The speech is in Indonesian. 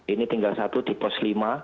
ini tinggal satu di pos lima